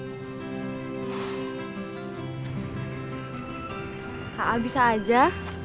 kak bisa aja